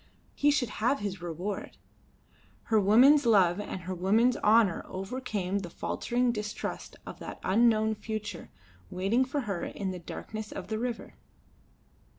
He should have his reward. Her woman's love and her woman's honour overcame the faltering distrust of that unknown future waiting for her in the darkness of the river.